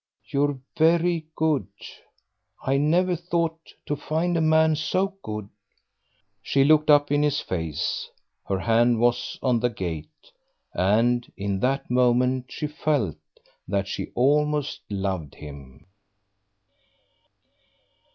"You're very good; I never thought to find a man so good." She looked up in his face; her hand was on the gate, and in that moment she felt that she almost loved him.